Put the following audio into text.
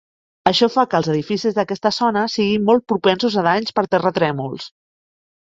Això fa que els edificis d'aquesta zona siguin molt propensos a danys per terratrèmols.